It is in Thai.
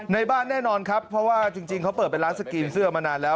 ในบ้านแน่นอนครับเพราะว่าจริงเขาเปิดเป็นร้านสกรีนเสื้อมานานแล้ว